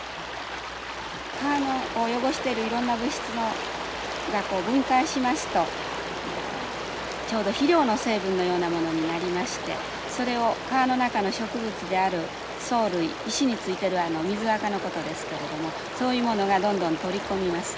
川を汚してるいろんな物質が分解しますとちょうど肥料の成分のようなものになりましてそれを川の中の植物である藻類石についているあの水アカのことですけれどもそういうものがどんどん取り込みます。